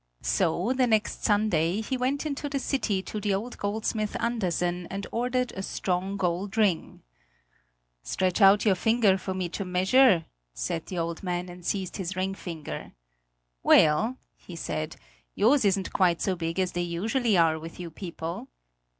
So the next Sunday he went into the city to the old goldsmith Andersen and ordered a strong gold ring. "Stretch out your finger for me to measure!" said the old man and seized his ring finger. "Well," he said; "yours isn't quite so big as they usually are with you people!"